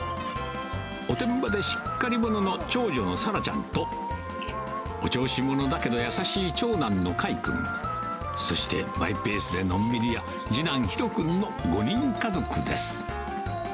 おてんばでしっかり者の長女の咲羅ちゃんと、お調子者だけど、やさしい長男の海君、そしてマイペースでのんびり屋、次男、紘君の５人家族です。